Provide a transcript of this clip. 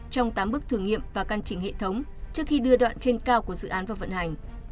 trong tám bước thử nghiệm và căn chỉnh hệ thống trước khi đưa đoạn trên cao của dự án vào vận hành